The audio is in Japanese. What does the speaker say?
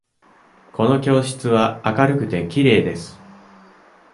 この教室は明るくて、きれいです。